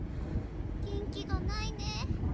元気がないね。